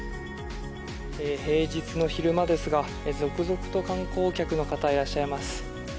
平日の昼間ですが続々と観光客の方がいらっしゃいます。